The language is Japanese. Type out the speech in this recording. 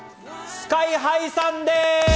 ＳＫＹ−ＨＩさんです！